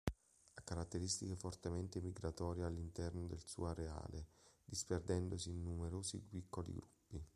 Ha caratteristiche fortemente migratorie all'interno del suo areale, disperdendosi in numerosi piccoli gruppi.